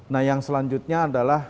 nah yang selanjutnya adalah